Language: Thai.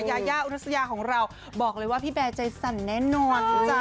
ยายาอุรัสยาของเราบอกเลยว่าพี่แบร์ใจสั่นแน่นอน